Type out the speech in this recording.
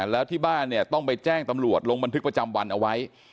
แล้วที่บ้านเนี่ยต้องไปแจ้งตำรวจลงบันทึกประจำวันเอาไว้